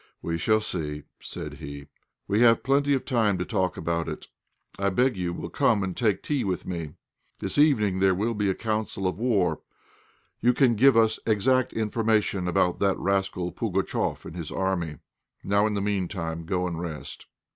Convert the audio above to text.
we shall see!" said he, "we have plenty of time to talk about it. I beg you will come and take tea with me. This evening there will be a council of war; you can give us exact information about that rascal Pugatchéf and his army. Now in the meantime go and rest."